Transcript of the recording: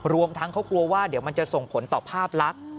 รวมทั้งเขากลัวว่าเดี๋ยวมันจะส่งผลต่อภาพลักษณ์